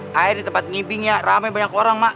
akhirnya di tempat ngibing ya rame banyak orang mak